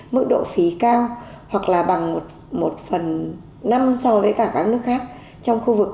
mức độ phí cao hoặc là bằng một phần năm so với cả các nước khác trong khu vực